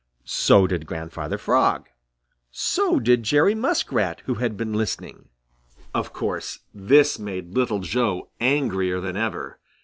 So did Grandfather Frog. So did Jerry Muskrat, who had been listening. Of course this made Little Joe angrier than ever.